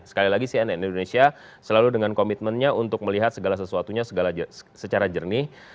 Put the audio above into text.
sekali lagi cnn indonesia selalu dengan komitmennya untuk melihat segala sesuatunya secara jernih